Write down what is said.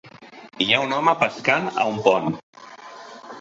Hi ha un home pescant a un pont